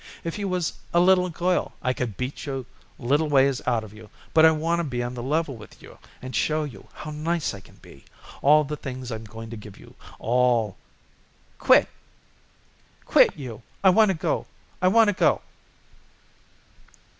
If you was a little girl I could beat your little ways out of you, but I wanna be on the level with you and show you how nice I can be. All the things I'm going to give you, all " "Quit, you! I wanna go! I wanna go!"